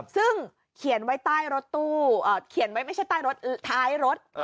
ซึ่งเขียนไว้ใต้รถตู้เขียนไว้ไม่ใช่ใต้รถท้ายรถ